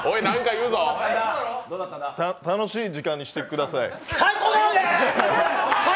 楽しい時間にしてください。